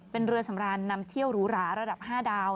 เป็นเรือสำรานนำเที่ยวหรูหราระดับ๕ดาว